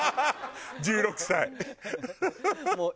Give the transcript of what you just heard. １６歳。